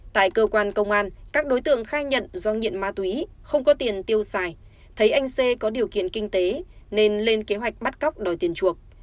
tại cơ quan công an các đối tượng khai nhận do nghiện ma túy không có tiền tiêu xài thấy anh xê có điều kiện kinh tế nên lên kế hoạch bắt cóc đòi tiền chuộc